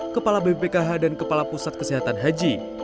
kepala bpkh dan kepala pusat kesehatan haji